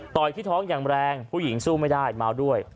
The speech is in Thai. ที่ท้องอย่างแรงผู้หญิงสู้ไม่ได้เมาด้วย